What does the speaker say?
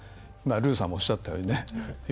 ルーさんもおっしゃったようにね。